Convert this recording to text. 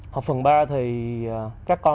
học phần ba thì các cơ quan